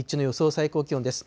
最高気温です。